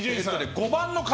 ５番の方。